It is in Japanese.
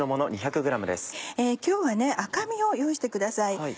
今日は赤身を用意してください。